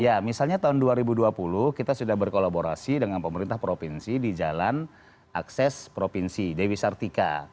ya misalnya tahun dua ribu dua puluh kita sudah berkolaborasi dengan pemerintah provinsi di jalan akses provinsi dewi sartika